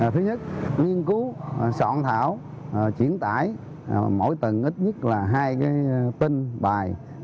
thứ nhất nghiên cứu soạn thảo chuyển tải mỗi tầng ít nhất là hai tin bài